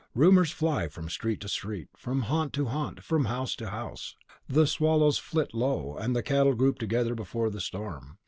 Rumours fly from street to street, from haunt to haunt, from house to house. The swallows flit low, and the cattle group together before the storm.